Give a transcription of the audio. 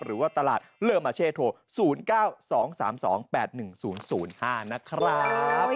หรือว่าตลาดเลอร์มาเช่โทร๐๙๒๓๒๘๑๐๐๕นะครับ